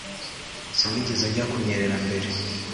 Sinigeze njya kunyerera mbere